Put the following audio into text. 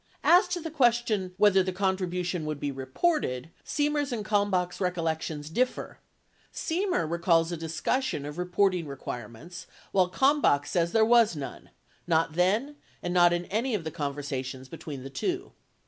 58 As to the question whether the contribution would be reported, Semer's and Kalmbach's recollections differ; Se iner recalls a discussion of reporting requirements 59 while Kalmbach says there was none — not then and not in any of the conversations between the two.